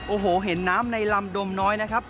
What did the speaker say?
โอ้โหเห็นน้ำในลำดมน้อยนะครับ